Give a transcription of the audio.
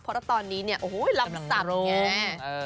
เพราะว่าตอนนี้โอ้โหรับสัตว์อย่างนี้